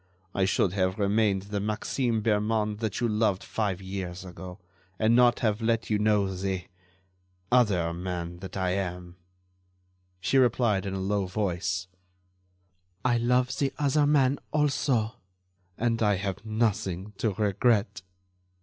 I should have remained the Maxime Bermond that you loved five years ago, and not have let you know the ... other man that I am." She replied in a low voice: "I love the other man, also, and I have nothing to regret."